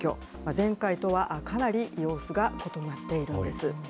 前回とはかなり様子が異なっているんです。